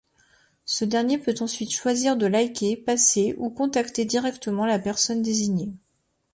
Ce dernier peut ensuite choisir de liker, passer ou contacter directement la personne désignée.